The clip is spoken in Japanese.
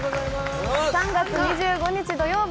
３月２５日土曜日